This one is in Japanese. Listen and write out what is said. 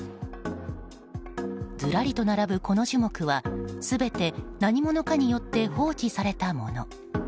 ずらりと並ぶ、この樹木は全て何者かによって放置されたもの。